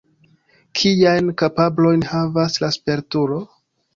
Kiajn kapablojn havas la spertulo?